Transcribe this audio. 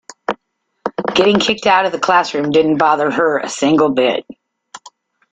Getting kicked out of the classroom didn't bother her a single bit.